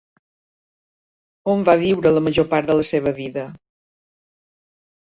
On va viure la major part de la seva vida?